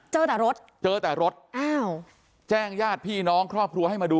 เจอแต่รถเจอแต่รถอ้าวแจ้งญาติพี่น้องครอบครัวให้มาดู